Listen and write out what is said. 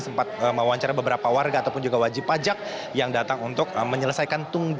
sempat mewawancarai beberapa warga ataupun juga wajib pajak yang datang untuk menyelesaikan